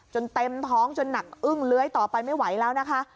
เต็มท้องจนหนักอึ้งเลื้อยต่อไปไม่ไหวแล้วนะคะ